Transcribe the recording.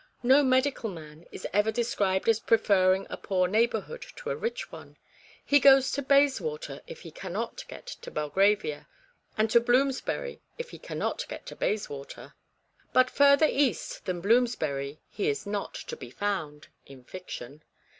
No medical man is ever described as preferring a poor neighbour hood to a rich one ; he goes to Bays water if he JAMES FAYN. 194 REBECCA'S REMORSE. cannot get to Belgravia, and to Bloornsbury if he cannot get to Bayswater, but further east than Bloomsbury he is not to be found in fiction.